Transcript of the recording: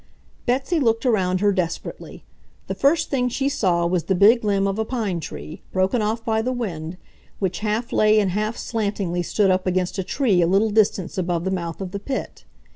Betsy looked around her desperately. The first thing she saw was the big limb of a pine tree, broken off by the wind, which half lay and half slantingly stood up against a tree a little distance above the mouth of the pit.